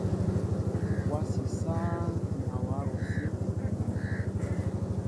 Wasi saŋ mba nawa osim epuh.